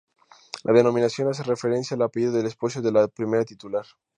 La denominación hace referencia al apellido del esposo de la primera titular.